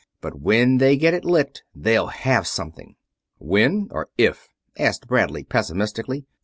But when they get it licked they'll have something!" "When, or if?" asked Bradley, pessimistically.